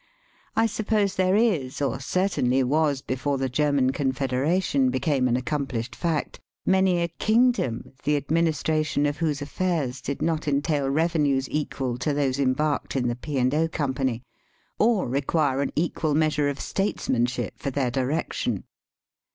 I suppose there is, or certainly was before German confederation became an accom plished fact, many a kingdom the administra tion of whose affairs did not entail revenues equal to those embarked in the P. and 0. Company, or require an equal measure of statesmanship for their direction.